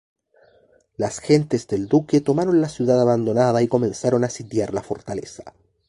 Las gentes del Duque tomaron la ciudad abandonada y comenzaron a sitiar la fortaleza.